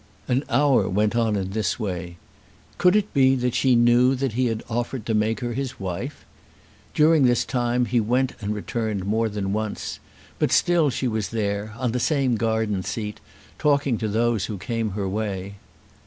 An hour went on in this way. Could it be that she knew that he had offered to make her his wife? During this time he went and returned more than once, but still she was there, on the same garden seat, talking to those who came in her way.